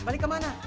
balik ke mana